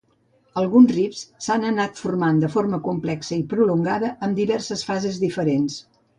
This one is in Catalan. Alguns rifts s'han anat formant de forma complexa i prolongada, amb diverses fases diferents.